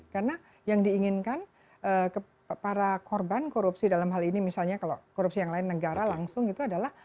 karena yang diinginkan para korban korupsi dalam hal ini misalnya kalau korupsi yang lain negara langsung itu adalah